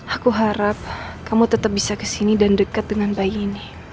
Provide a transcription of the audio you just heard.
aku harap kamu tetap bisa kesini dan dekat dengan bayi ini